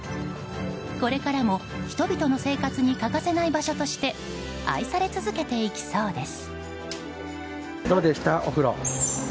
これからも人々の生活に欠かせない場所として愛され続けていきそうです。